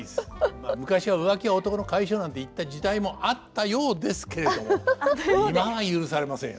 まあ昔は「浮気は男の甲斐性」なんて言った時代もあったようですけれども今は許されませんよ